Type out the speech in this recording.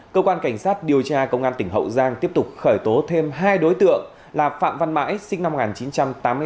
cơ quan cảnh sát điều tra công an tỉnh hậu giang tiếp tục khởi tố thêm hai đối tượng là phạm văn mãi sinh năm một nghìn chín trăm tám mươi tám